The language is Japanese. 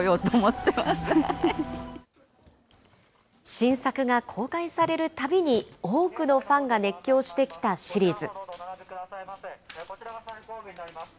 新作が公開されるたびに、多くのファンが熱狂してきたシリーズ。